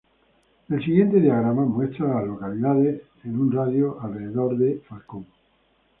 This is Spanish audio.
El siguiente diagrama muestra a las localidades en un radio de de Falcon.